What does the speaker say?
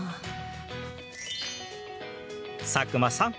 佐久間さん